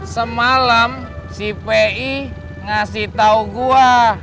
semalam si pi ngasih tahu gua